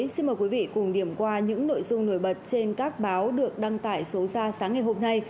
xin mời quý vị cùng điểm qua những nội dung nổi bật trên các báo được đăng tải số ra sáng ngày hôm nay